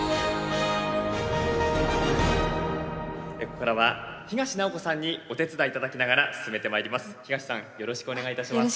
ここからは東直子さんにお手伝い頂きながら進めてまいります。